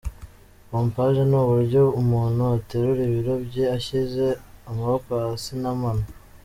Pompaje ni uburyo umuntu aterura ibiro bye ashyize amaboko hasi n’amano.